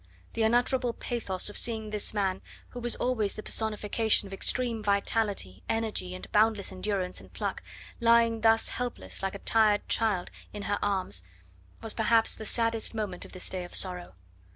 The unutterable pathos of seeing this man, who was always the personification of extreme vitality, energy, and boundless endurance and pluck, lying thus helpless, like a tired child, in her arms, was perhaps the saddest moment of this day of sorrow.